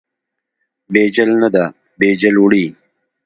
بیجل نه ده، بیجل وړي.